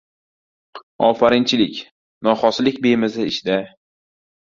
– “Ofarinchilik”, noxolislik bemaza ish-da.